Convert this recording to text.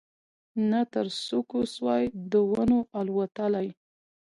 نه تر څوکو سوای د ونو الوتلای